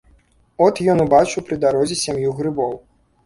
От ён убачыў пры дарозе сям'ю грыбоў.